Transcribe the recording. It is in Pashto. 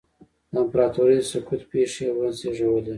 د امپراتورۍ د سقوط پېښې یې وزېږولې